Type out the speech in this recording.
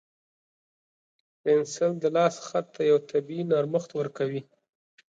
پنسل د لاس خط ته یو طبیعي نرمښت ورکوي.